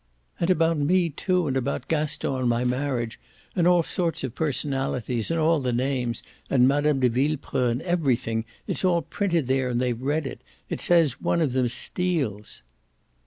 "And about me too, and about Gaston and my marriage, and all sorts of personalities, and all the names, and Mme. de Villepreux, and everything. It's all printed there and they've read it. It says one of them steals."